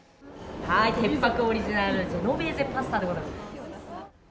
てっぱくオリジナルジェノベーゼパスタでございます。